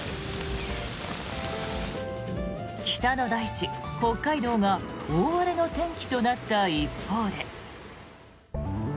北の大地、北海道が大荒れの天気となった一方で。